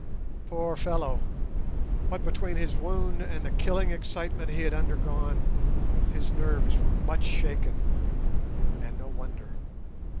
Poor fellow, what between his wound and the killing excitement he had undergone his nerves were much shaken, and no wonder!